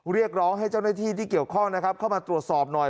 เรียกร้องให้เจ้าหน้าที่ที่เกี่ยวข้องนะครับเข้ามาตรวจสอบหน่อย